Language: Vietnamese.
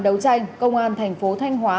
đấu tranh công an thành phố thanh hóa